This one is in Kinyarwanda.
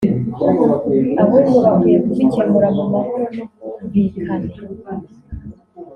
ahubwo bakwiye kubikemura mu mahoro n’ubwuvikane